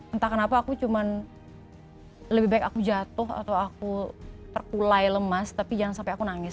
entah kenapa aku cuma lebih baik aku jatuh atau aku terkulai lemas tapi jangan sampai aku nangis